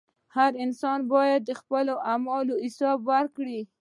• هر انسان باید د خپلو اعمالو حساب ورکړي.